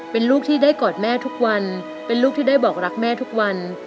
เป็นลูกที่ได้กอดแม่ทุกวันเป็นลูกที่ได้บอกรักแม่ทุกวัน